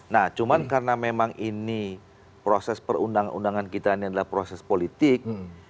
nah cuman karena memang ini proses perundang undangan kita ini adalah proses politik